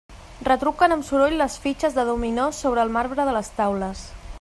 Retruquen amb soroll les fitxes de dominó sobre el marbre de les taules.